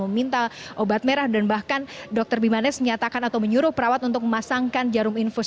meminta obat merah dan bahkan dokter bimanes menyatakan atau menyuruh perawat untuk memasangkan jarum infus